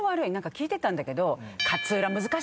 聞いてたんだけど。